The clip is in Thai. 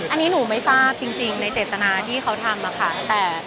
อันนี้หนูไม่ทราบจริงในเจตนาที่เขาทำค่ะ